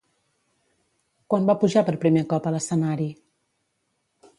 Quan va pujar per primer cop a l'escenari?